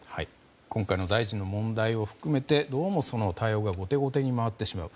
今回の大臣の問題を含めてどうも対応が後手後手に回ってしまう。